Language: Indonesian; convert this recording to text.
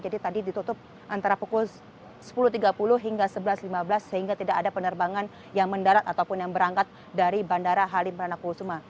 jadi tadi ditutup antara pukul sepuluh tiga puluh hingga sebelas lima belas sehingga tidak ada penerbangan yang mendarat ataupun yang berangkat dari bandara halimberan kusuma